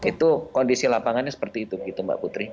itu kondisi lapangannya seperti itu gitu mbak putri